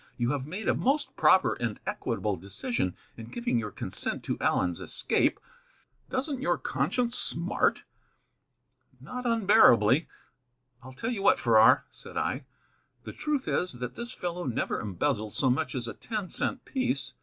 "You have made a most proper and equitable decision in giving your consent to Allen's escape. Doesn't your conscience smart?" "Not unbearably. I'll tell you what, Farrar," said I, "the truth is, that this fellow never embezzled so much as a ten cent piece.